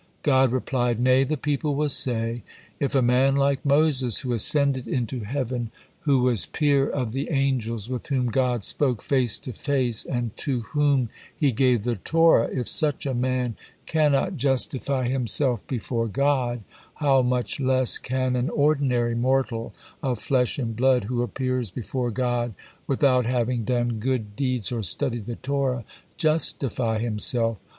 '" God replied: "Nay, the people will say: ' If a man like Moses, who ascended into heaven, who was peer of the angels, with whom God spoke face to face, and to whom He gave the Torah if such a man cannot justify himself before God, how much less can an ordinary mortal of flesh and blood, who appears before God without having done good deeds or studied the Torah, justify himself?'